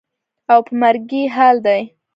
او په مرګي حال دى.